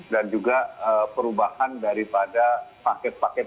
dan juga perubahan daripada paket paket